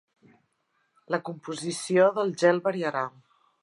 La composició del gel variarà.